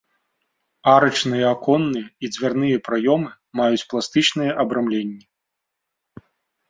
Арачныя аконныя і дзвярныя праёмы маюць пластычныя абрамленні.